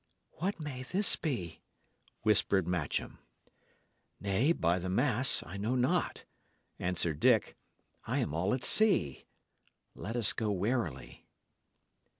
"What may this be?" whispered Matcham. "Nay, by the mass, I know not," answered Dick. "I am all at sea. Let us go warily."